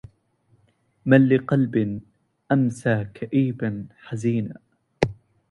من لقلب أمسى كئيبا حزينا